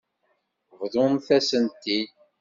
Bḍumt-asen-t-id.